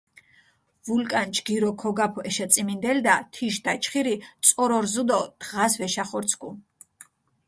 ვულკან ჯგირო ქოგაფჷ ეშაწიმინდელდა, თიშ დაჩხირი წორო რზჷ დო დღას ვეშახორცქუ.